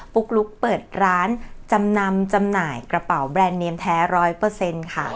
ปุ๊กลุ๊กเปิดร้านจำนำจำหน่ายกระเป๋าแบรนด์เนมแท้๑๐๐ค่ะ